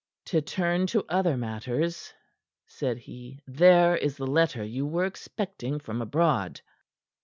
"To turn to other matters," said he; "there is the letter you were expecting from abroad."